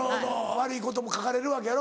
悪いことも書かれるわけやろ？